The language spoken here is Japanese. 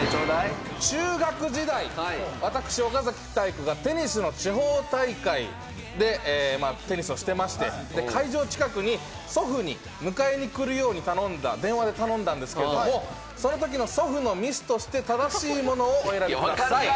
中学時代、私、岡崎体育がテニスの地方大会でテニスをしてまして、会場近くに祖父に迎えに来るように電話で頼んだんですけれども、そのときの祖父のミスとして正しいものをお選びください。